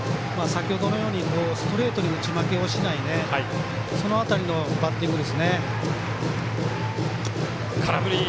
先ほどのようにストレートに打ち負けをしないその辺りのバッティングですね。